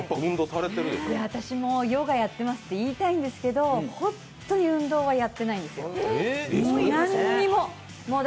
私もヨガやってますって言いたいんですけど、本当に運動はやってないんですよ、何にも。